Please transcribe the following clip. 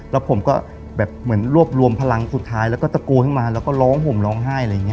แล้วผมก็แบบเหมือนรวบรวมพลังสุดท้ายแล้วก็ตะโกนขึ้นมาแล้วก็ร้องห่มร้องไห้อะไรอย่างนี้